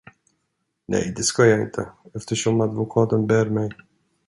Nej, det ska jag inte, eftersom advokaten ber mig.